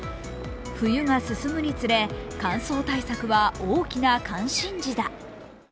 冬が進むにつれ、乾燥対策は大きな関心事だ。